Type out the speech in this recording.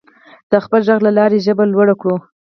د خپل غږ له لارې ژبه لوړه کړو.